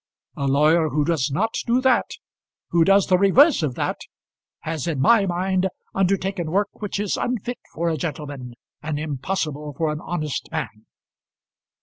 A lawyer who does not do that who does the reverse of that, has in my mind undertaken work which is unfit for a gentleman and impossible for an honest man."